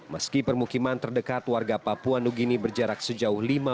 meski permukiman terdekat warga papua nugini berjarak sejauhnya